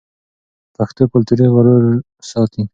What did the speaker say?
پښتو کلتوري غرور ساتي.